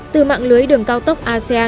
từ mạng lưới đường cao tốc asean